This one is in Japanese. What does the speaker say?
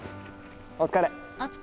お疲れ。